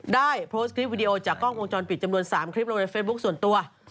ได้โพสต์คลิปวิดีโอจากกล้องวงจรปิดจำนวน๓คลิปลงในเฟซบุ๊คส่วนตัว